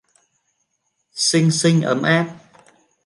Xinh xinh ấm áp